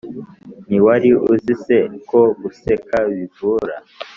ntiwari uzi se ko guseka bivura